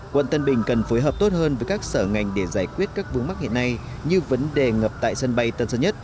quận tân bình cần phối hợp tốt hơn với các sở ngành để giải quyết các vướng mắc hiện nay như vấn đề ngập tại sân bay tân sơn nhất